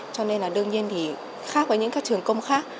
cho nên là đương nhiên thì khác với những các trường công khác